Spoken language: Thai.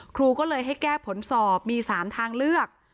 ครูก็เลยให้แก้ผลสอบมี๓ทางเลือก